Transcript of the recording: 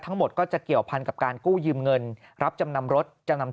ทั้งหมดก็จะเกี่ยวพันกับการกู้ยืมเงินรับจำนำรถจำนำ